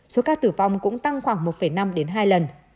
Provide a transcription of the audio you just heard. số ca tử vong cũng tăng khoảng một năm đến hai lần